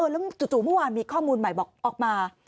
แล้วจู่เมื่อวานมีข้อมูลใหม่บอกออกมา